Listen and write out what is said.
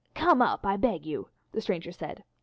"Come up, I beg you," the stranger said.